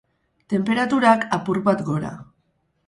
Tenperaturak, apur bat gora.